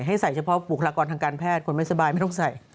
ให้ใส่เฉพาะบุคลากรทางการแพทย์คนไม่สบายไม่ต้องใส่